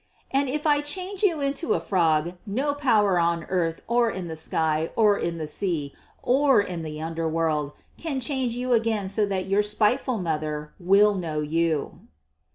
And if I change you into a frog no power on earth or in the sky or in the sea, or in the underworld can change you again so that your spiteful mother will know you."